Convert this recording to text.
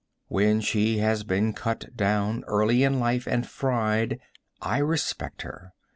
When she has been cut down early in life and fried I respect her.